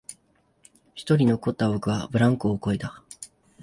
一人残った僕はブランコをこいだ